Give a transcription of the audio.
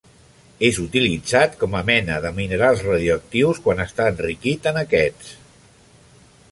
És utilitzat com a mena de minerals radioactius quan està enriquit en aquests.